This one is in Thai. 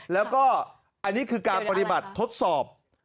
แล้วก็อันนี้คือการปฏิบัติทดสอบ